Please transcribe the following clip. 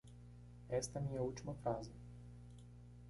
Esta é minha última frase